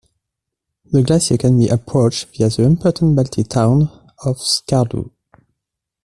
The glacier can be approached via the important Balti town of Skardu.